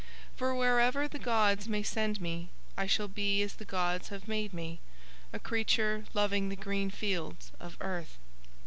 For wherever the gods may send me I shall be as the gods have made me, a creature loving the green fields of earth.